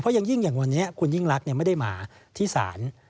อย่างยิ่งอย่างวันนี้คุณยิ่งรักไม่ได้มาที่ศาล